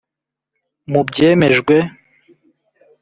Mu byemejwe